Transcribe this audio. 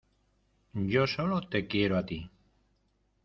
yo solo te quiero a ti.